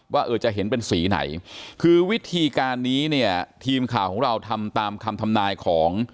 ว่าเออจะเห็นเป็นสีไหนคือวิธีการนี้เนี่ยทีมข่าวของเราทำตามคำทำนายของ